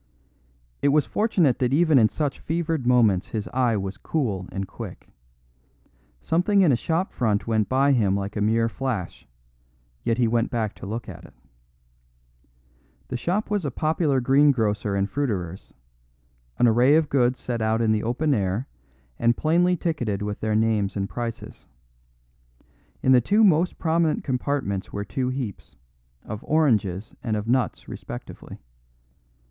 It was fortunate that even in such fevered moments his eye was cool and quick. Something in a shop front went by him like a mere flash; yet he went back to look at it. The shop was a popular greengrocer and fruiterer's, an array of goods set out in the open air and plainly ticketed with their names and prices. In the two most prominent compartments were two heaps, of oranges and of nuts respectively.